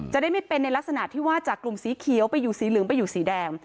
จะได้ไม่เป็นในลักษณะที่ว่าจากกลุ่มสีเขียวไปอยู่สีเหลืองไปอยู่สีแดง